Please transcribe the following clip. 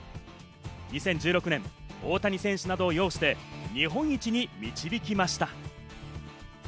２０１６年、大谷選手などを擁して日本一に導きました。